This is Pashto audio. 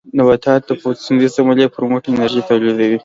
نباتات د فوټوسنټیز عملیې پر مټ انرژي تولیدوي